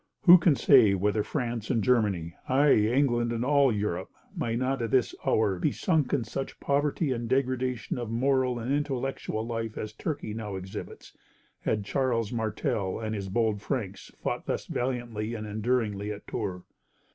Who can say whether France and Germany, ay, England and all Europe, might not at this hour be sunk in such poverty and degradation of moral and intellectual life as Turkey now exhibits, had Charles Martel and his bold Franks fought less valiantly and enduringly at Tours?